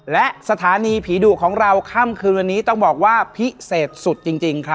และสถานีผีดุของเราค่ำคืนวันนี้ต้องบอกว่าพิเศษสุดจริงครับ